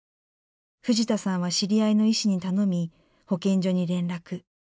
藤田さんは知り合いの医師に頼み保健所に連絡。